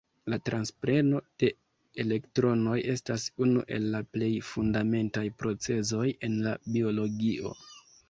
La transpreno de elektronoj estas unu el la plej fundamentaj procezoj en la biologio.